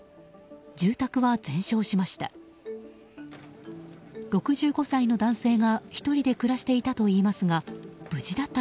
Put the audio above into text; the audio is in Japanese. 住宅は全焼しました。